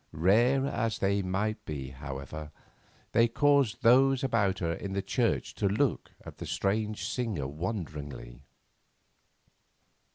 Rare as they might be, however, they caused those about her in the church to look at the strange singer wonderingly.